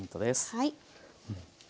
はい。